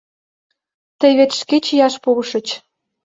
— Тый вет шке чияш пуышыч.